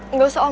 ini gak usah om